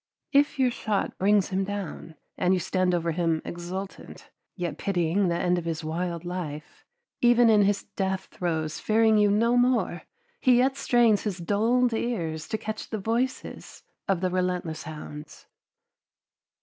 If your shot brings him down, and you stand over him exultant, yet pitying the end of his wild life, even in his death throes fearing you no more, he yet strains his dulled ears to catch the voices of the relentless hounds.